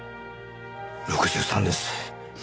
６３です。